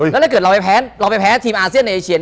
แล้วถ้าเกิดเราไปแพ้ทีมอาเซียในอเมสเชีย